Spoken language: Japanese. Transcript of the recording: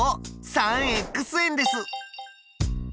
３円です。